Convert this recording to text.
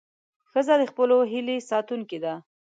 ښځه د خپلو هیلې ساتونکې ده.